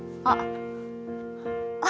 あっ。